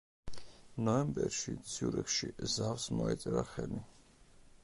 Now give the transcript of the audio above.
ნოემბერში ციურიხში ზავს მოეწერა ხელი.